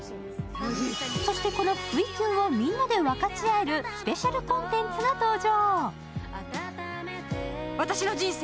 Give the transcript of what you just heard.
そしてこの不意キュンをみんなで分かち合えるスペシャルコンテンツが登場。